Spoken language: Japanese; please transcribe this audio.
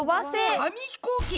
紙ひこうき！